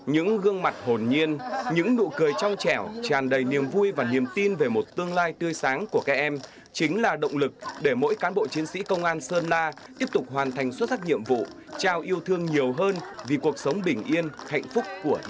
những gương mặt hồn nhiên những nụ cười trong chẻo tràn đầy niềm vui và niềm tin về một tương lai tươi sáng của các em chính là động lực để mỗi cán bộ chiến sĩ công an sơn la tiếp tục hoàn thành xuất sắc nhiệm vụ trao yêu thương nhiều hơn vì cuộc sống bình yên hạnh phúc của nhân dân